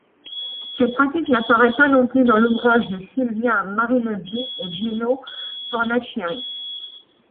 Cette pratique n'apparaît pas non plus dans l'ouvrage de Silvia Marinozzi et Gino Fornaciari.